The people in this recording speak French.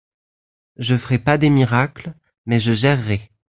Je ferai pas des miracles, mais je gèrerai.